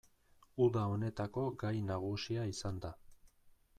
Uda honetako gai nagusia izan da.